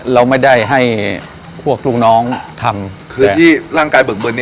เราไม่ได้ให้พวกลูกน้องทำคือที่ร่างกายเบิกเบิร์น